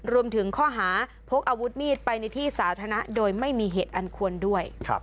รวมถึงข้อหาพกอาวุธมีดไปในที่สาธารณะโดยไม่มีเหตุอันควรด้วย